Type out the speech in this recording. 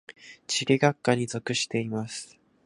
地理学科に属しています。